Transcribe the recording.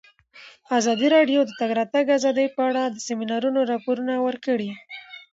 ازادي راډیو د د تګ راتګ ازادي په اړه د سیمینارونو راپورونه ورکړي.